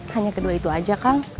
hanya kedua itu aja kang